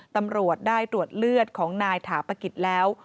ตำรวจได้ตรวจเลือดของนายถาปกิจแล้ว